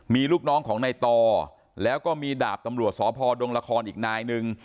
มีลูกน้องของในต่อแล้วก็มีดาบตำรวจสพดงละครอีกนายหนึ่ง